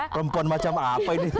perempuan macam apa ini